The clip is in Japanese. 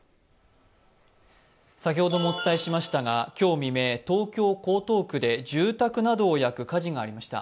先ほどもお伝えしましたが、今日未明、東京・江東区で住宅などを焼く火事がありました。